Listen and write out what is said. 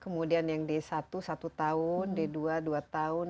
kemudian yang d satu satu tahun d dua dua tahun d tiga tiga tahun d empat empat tahun